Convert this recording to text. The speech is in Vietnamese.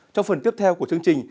trong phần tiếp theo của chương trình